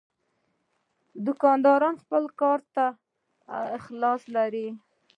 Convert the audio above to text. دوکاندار خپل کار ته اخلاص لري.